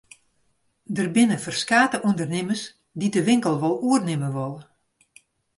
Der binne ferskate ûndernimmers dy't de winkel wol oernimme wolle.